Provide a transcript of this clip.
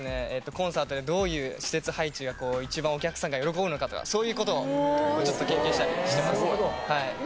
コンサートでどういう施設配置が一番お客さんが喜ぶのかとかそういう事をちょっと研究したりしています。